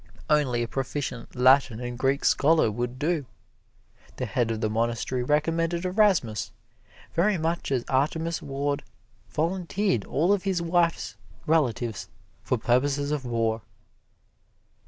Only a proficient Latin and Greek scholar would do. The head of the monastery recommended Erasmus, very much as Artemus Ward volunteered all of his wife's relatives for purposes of war.